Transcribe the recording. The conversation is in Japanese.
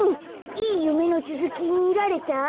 いいゆめのつづきみられた？